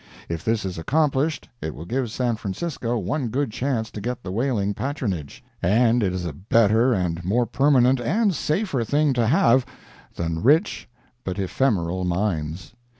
If this is accomplished it will give San Francisco one good chance to get the whaling patronage—and it is a better and more permanent and safer thing to have than rich but ephemeral mines.